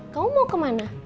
kamu mau kemana